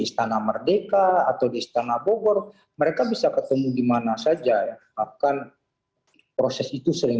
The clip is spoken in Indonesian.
istana merdeka atau di istana bogor mereka bisa ketemu dimana saja bahkan proses itu sering